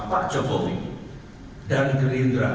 pertama pemilu dua ribu sembilan belas ini dilaksanakan secara serentak